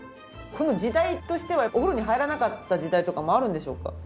この時代としてはお風呂に入らなかった時代とかもあるんでしょうか？